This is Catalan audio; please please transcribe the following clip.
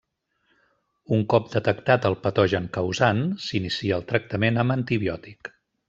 Un cop detectat el patogen causant s'inicia el tractament amb antibiòtic.